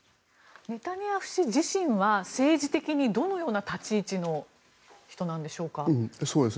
ネタニヤフ氏自身は政治的にどのような立ち位置の人なんでしょうか。